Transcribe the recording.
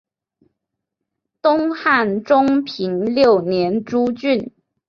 东汉中平六年诸郡。